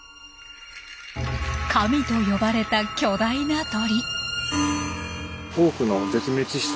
神と呼ばれた巨大な鳥。